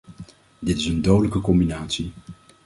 Dit is een dodelijke combinatie.